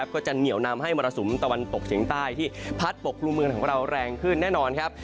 ก็จะเหนียวนำให้มรสุมตะวันตกเฉียงใต้ที่พัดปกรุมเมืองของเราแรงขึ้นแน่นอนครับ